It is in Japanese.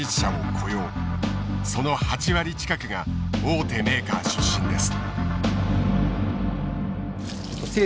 その８割近くが大手メーカー出身です。